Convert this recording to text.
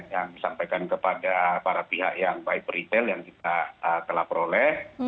yang disampaikan kepada para pihak yang baik peritel yang kita telah peroleh